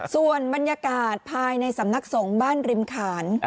ส่วนบรรยากาศภายในสำนักสงฆ์บ้านริมขาน